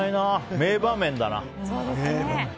名場面だな。